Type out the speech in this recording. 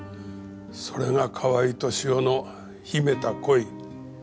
それが河合敏夫の秘めた恋。